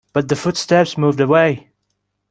But the footsteps moved away.